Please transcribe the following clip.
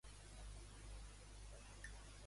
Madrid comunica el primer cas de coronavirus.